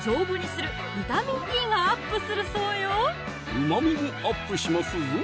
うまみもアップしますぞ